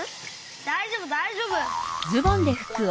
だいじょうぶだいじょうぶ！